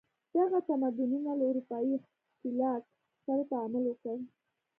دغه تمدنونو له اروپايي ښکېلاک سره تعامل وکړ.